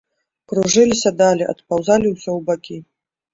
Кружыліся далі, адпаўзалі ўсё ў бакі.